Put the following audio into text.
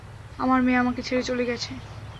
আমার মেয়ে আমাকে ছেড়ে চলে গেছে।